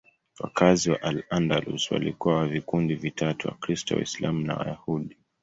Wakazi wa Al-Andalus walikuwa wa vikundi vitatu: Wakristo, Waislamu na Wayahudi.